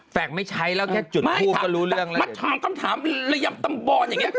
แฟคไม่ใช้แล้วแค่จุดพูดก็รู้เรื่องแล้วไม่มันทำคำถามระยำตำบรรย์อย่างนี้